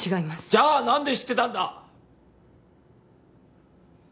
じゃあ何で知ってたんだ？